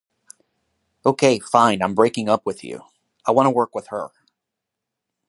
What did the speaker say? Ok fine, I'm breaking up with you. I want to work with her.